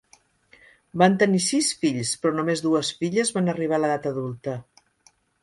Van tenir sis fills, però només dues filles van arribar a l'edat adulta.